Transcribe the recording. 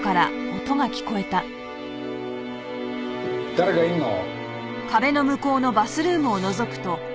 誰かいるの？